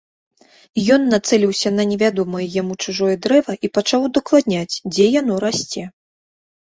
Ён нацэліўся на невядомае яму чужое дрэва і пачаў удакладняць, дзе яно расце.